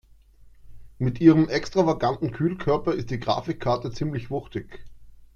Mit ihrem extravaganten Kühlkörper ist die Grafikkarte ziemlich wuchtig.